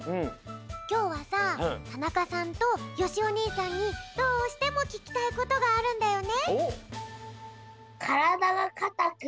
きょうはさ田中さんとよしお兄さんにどうしてもききたいことがあるんだよね？